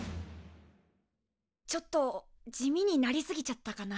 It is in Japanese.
ちょっと地味になり過ぎちゃったかな。